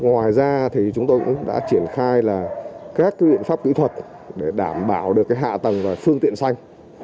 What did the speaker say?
ngoài ra thì chúng tôi cũng đã triển khai là các biện pháp kỹ thuật để đảm bảo được hạ tầng và phương tiện xanh